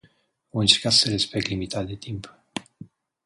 Voi încerca să respect limita de timp.